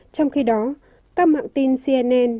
trong khi đó các mạng tin cnn